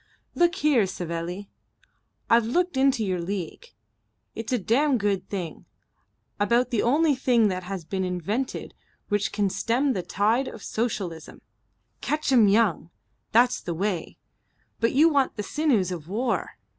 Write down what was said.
"Look here, Savelli. I've looked into your League. It's a damned good thing. About the only thing that has been invented which can stem the tide of Socialism. Catch 'em young. That's the way. But you want the sinews of war.